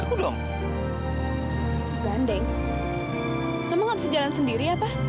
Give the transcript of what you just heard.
kamu gak bisa jalan sendiri ya pak